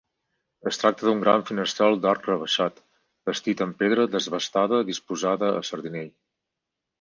Es tracta d'un gran finestral d'arc rebaixat bastit en pedra desbastada disposada a sardinell.